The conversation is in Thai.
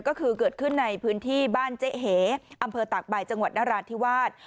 ก็คือเกิดขึ้นในพื้นที่บ้านเจ๊เหอำเภอตากใบจังหวัดนราธิวาส